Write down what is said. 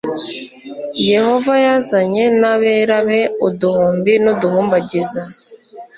yehova yazanye n abera be uduhumbi n uduhumbagiza